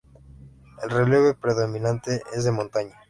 El relieve predominante es de montaña.